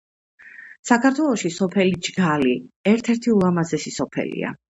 საქართველოში სოფელი ჯგალი ერთერთი ულამაზესი სოფელია.